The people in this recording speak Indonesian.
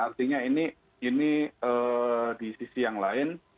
artinya ini di sisi yang lain